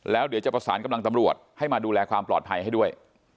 แล้วเดี๋ยวจะประสานกำลังตำรวจให้มาดูแลความปลอดภัยให้ด้วย